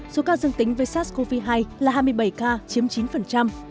số ca dương tính với sars cov hai là hai mươi bảy ca chiếm chín